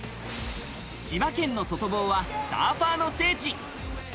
千葉県の外房はサーファーの聖地。